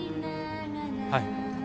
はい。